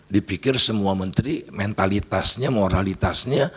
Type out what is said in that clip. dipikir semua menteri mentalitasnya moralitasnya